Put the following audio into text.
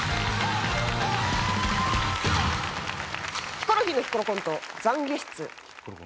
ヒコロヒーのヒコロコント「懺悔室」。